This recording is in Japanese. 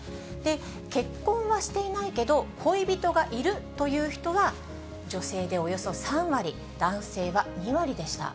結婚はしていないけど、恋人がいるという人が、女性でおよそ３割、男性は２割でした。